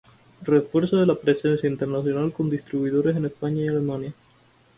Refuerzo de la presencia internacional con distribuidores en España y Alemania.